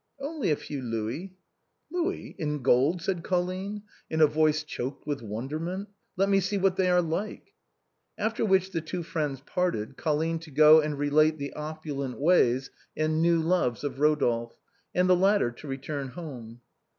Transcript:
" Only a few louis." ROMEO AND JULIET. 297 " Louis ! in gold ?" said Colline, in a voice choked with wonderment. " Let mo see what they are like." After which the two friends parted, Colline to go and relate the opulent ways and new loves of Eodolphe, and the latter to return home.